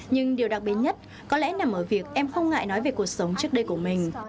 nhưng điều đặc biệt nhất có lẽ nằm ở việc em không ngại nói về cuộc sống trước đây của mình